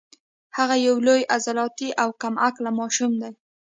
هغه یو لوی عضلاتي او کم عقل ماشوم دی